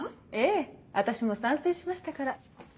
ええ私も賛成しましたから。